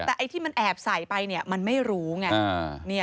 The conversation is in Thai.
แต่ไอ้ที่มันแอบใส่ไปมันไม่รู้ไง